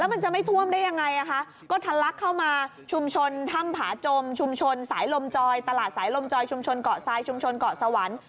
มันจะไม่ท่วมได้ยังไงก็ทะลักเข้ามาชุมชนถ้ำผาจมชุมชนสายลมจอยตลาดสายลมจอยชุมชนเกาะทรายชุมชนเกาะสวรรค์